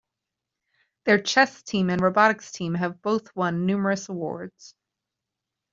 Their chess team and robotics team have both won numerous awards.